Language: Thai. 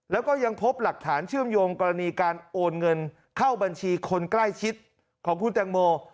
แล้วก็ยังพบหลักฐานเชื่อมโยงกรณีการโอนเงินเข้าบัญชีคนใกล้ชิดของคุณแตงโม